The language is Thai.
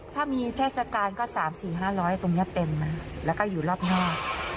ถ้ามีเทศกาลก็๓๔๕๐๐ตรงนี้เต็มนะแล้วก็อยู่รอบนอก